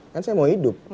kan saya mau hidup